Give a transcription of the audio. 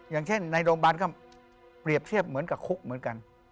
อย่างเช่นในโรงพยาบาลก็เปรียบเทียบเหมือนกับคุกเหมือนกัน